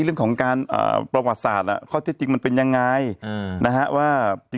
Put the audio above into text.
เรื่องของการประวัติศาสตร์เขาเท็จจริงมันเป็นยังไง